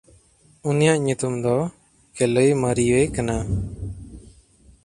ᱩᱱᱤᱭᱟᱜ ᱧᱩᱛᱩᱢ ᱫᱚ ᱠᱮᱞᱟᱹᱭᱢᱟᱨᱤᱣᱮ ᱠᱟᱱᱟ᱾